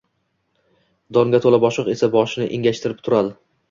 Donga toʻla boshoq esa boshini engashtirib turadi.